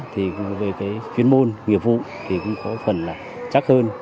thì về cái chuyên môn nghiệp vụ thì cũng có phần là chắc hơn